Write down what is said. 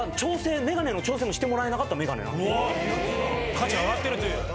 価値が上がってるという。